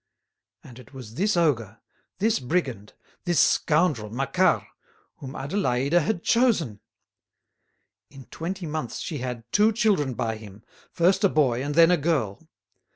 And it was this ogre, this brigand, this scoundrel Macquart, whom Adélaïde had chosen! In twenty months she had two children by him, first a boy and then a girl.